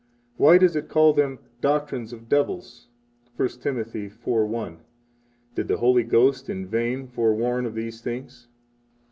Why does it call them "doctrines of devils"? 1 Tim. 4:1. Did the Holy Ghost in vain forewarn of these things?